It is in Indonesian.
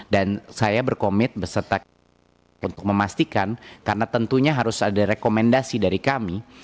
dan saya berkomit berserta kemendikbud untuk memastikan karena tentunya harus ada rekomendasi dari kami